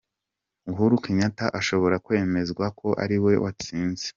Uhuru Kenyatta ashobora kwemezwa ko ariwe watsinze